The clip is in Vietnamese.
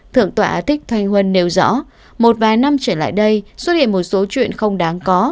thượng tòa thích thanh huân nêu rõ một vài năm trở lại đây xuất hiện một số chuyện không đáng có